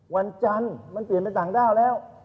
วันจันทร์มันเปลี่ยนไปต่างด้าวแล้ว